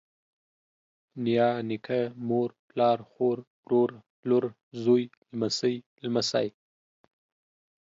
نيا، نيکه، مور، پلار، خور، ورور، لور، زوى، لمسۍ، لمسى